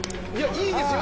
いいですよ。